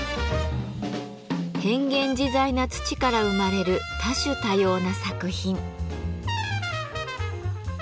変幻自在な土から生まれる多種多様な作品。